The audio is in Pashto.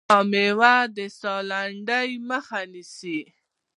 دا مېوه د ساه لنډۍ مخه نیسي.